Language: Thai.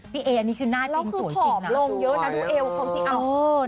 พี่เออันนี้คือหน้าที่สวยสุด